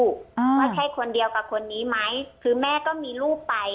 ว่าใช่คนเดียวกับคนนี้ไหมคือแม่ก็มีลูกไป